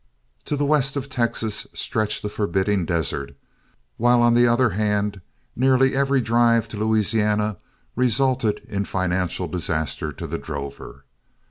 To the west of Texas stretched a forbidding desert, while on the other hand, nearly every drive to Louisiana resulted in financial disaster to the drover.